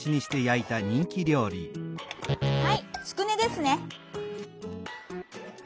「はいつくねですね」。